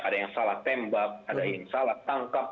ada yang salah tembak ada yang salah tangkap